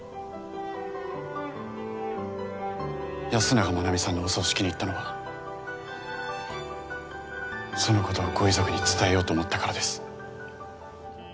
安永真奈美さんのお葬式に行ったのはそのことをご遺族に伝えようと思ったからです。